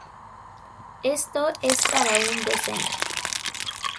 Esto es para un docena.